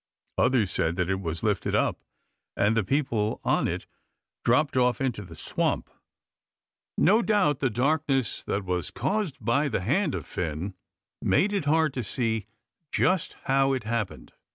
Others said that it was lifted up, and the people on it dropped off into the swamp. No doubt the darkness that was caused by the hand of Finn made it hard to see just how it happened.